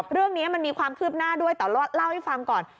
เรื่องนี้มันมีความคืบหน้าด้วยแต่เล่าให้ฟังก่อน